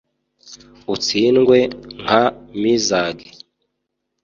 Utsindwe nka Mizage*